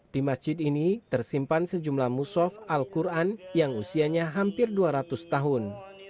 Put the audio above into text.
di masjid ini tersimpan sejumlah musof al quran yang usianya hampir dua ratus tahun